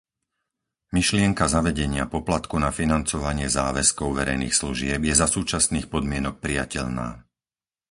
Myšlienka zavedenia poplatku na financovanie záväzkov verejných služieb je za súčasných podmienok prijateľná.